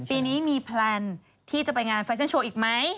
ปีนี้มีแพลนที่จะไปงานแฟชั่นโชว์อีกไหม